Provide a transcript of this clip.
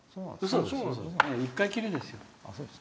１回きりですよ。